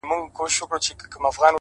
ستا دپښو سپين پايزيبونه زما بدن خوري،